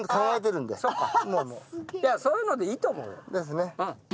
いやそういうのでいいと思う。ですね。